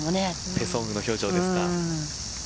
ペ・ソンウの表情ですか。